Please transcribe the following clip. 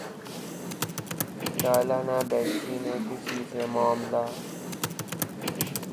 ڈالا نہ بیکسی نے کسی سے معاملہ